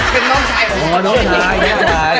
เป็นน้องชาย